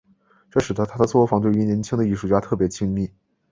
这使得他的作坊对于年轻的艺术家特别亲密。